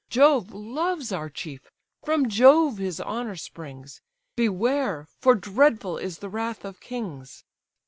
Jove loves our chief, from Jove his honour springs, Beware! for dreadful is the wrath of kings."